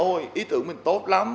ôi ý tưởng mình tốt lắm